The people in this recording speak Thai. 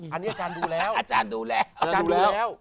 อันนี้อาจารย์ดูแล้วอาจารย์ดูแล้ว